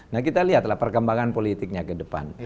nah kita lihatlah perkembangan politiknya ke depan